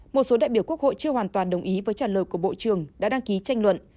một số đại biểu quốc hội chưa hoàn toàn đồng ý với trả lời của bộ trưởng đã đăng ký tranh luận